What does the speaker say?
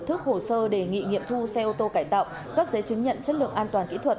thức hồ sơ đề nghị nghiệm thu xe ô tô cải tạo cấp giấy chứng nhận chất lượng an toàn kỹ thuật